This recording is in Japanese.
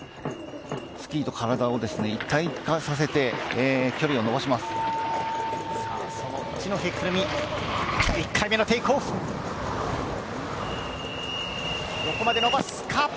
スキーと体を一体化させて、距離を延ばします。